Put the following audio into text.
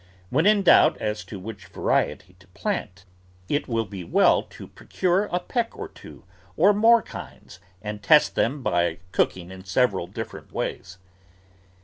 When in doubt as to which variety to plant, it will be well to pro ROOT VEGETABLES cure a peck of two or more kinds and test them by cooking in several different ways.